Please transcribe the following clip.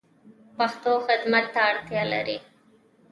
پښتو خدمت ته اړتیا لری